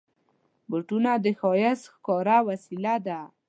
بوټونه د ښایست ښکاره وسیله ده.